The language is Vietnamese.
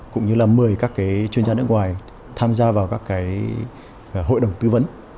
cũng như là mời các cái chuyên gia nước ngoài tham gia vào các cái hội đồng tư vấn